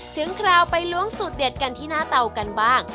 คราวไปล้วงสูตรเด็ดกันที่หน้าเตากันบ้าง